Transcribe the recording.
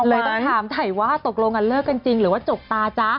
เลยต้องถามถ่ายว่าตกลงกันเลิกกันจริงหรือว่าจบตาจ๊ะ